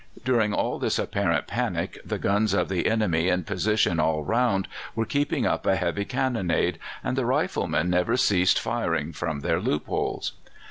During all this apparent panic the guns of the enemy in position all round were keeping up a heavy cannonade, and the riflemen never ceased firing from their loopholes.